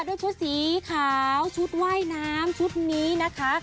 ด้วยชุดสีขาวชุดว่ายน้ำชุดนี้นะคะ